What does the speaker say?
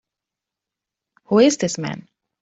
Who is this man?